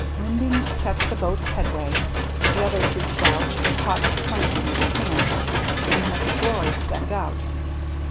Linding checked the boat's headway, the others reached out and caught the planking with their hands ; and McGIory stepped out.